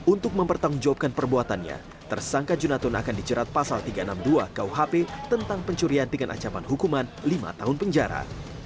untuk mempertanggungjawabkan perbuatannya tersangka junatun akan dijerat pasal tiga ratus enam puluh dua kuhp tentang pencurian dengan ancaman hukuman lima tahun penjara